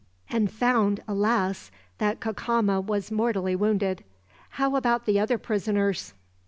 "And found, alas! that Cacama was mortally wounded. How about the other prisoners?"